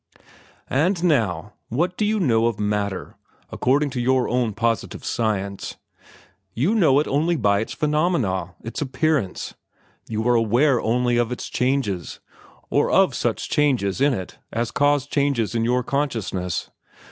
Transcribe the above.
"And now, what do you know of matter, according to your own positive science? You know it only by its phenomena, its appearances. You are aware only of its changes, or of such changes in it as cause changes in your consciousness.